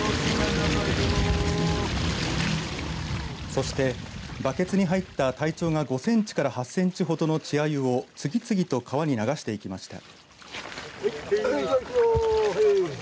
そしてバケツに入った体長が５センチから８センチほどの稚あゆを次々と川に流してきました。